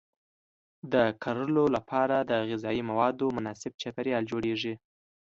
د کرلو لپاره د غذایي موادو مناسب چاپیریال جوړیږي.